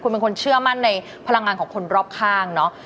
คุณเป็นคนเชื่อมั่นในพลังงานของคนรอบข้างเนอะ